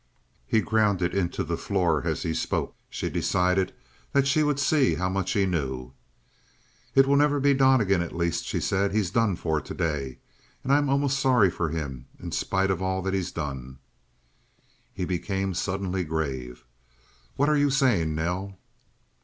He ground it into the floor as he spoke. She decided that she would see how much he knew. "It will never be Donnegan, at least," she said. "He's done for today. And I'm almost sorry for him in spite of all that he's done." He became suddenly grave. "What are you saying, Nell?"